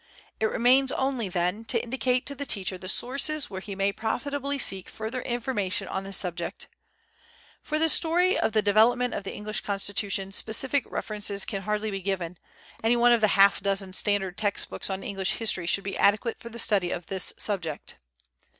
It remains only, then, to indicate to the teacher the sources where he may profitably seek further information on this subject. For the story of the development of the English Constitution, specific references can hardly be given, any one of the half dozen standard text books on English history should be adequate for the study of this subject.